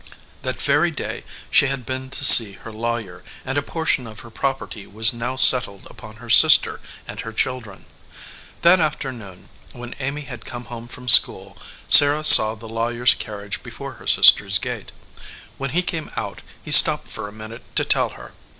That very day she had been to see her lawyer, and a portion of her property was now settled upon her sister and her children. That af ternoon, when Amy had come home from school, Sarah saw the lawyer s carriage before her sister s gate. When he came out he stopped for a minute to tell her.